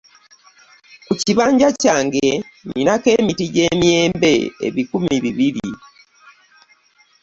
Ku kibanja kyange ninako emiti gy'emiyembe ebikumi bibiri.